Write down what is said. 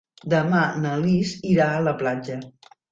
Demà na Lis irà a la platja.